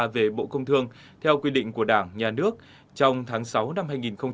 về bộ công thương theo quy định của đảng nhà nước trong tháng sáu năm hai nghìn hai mươi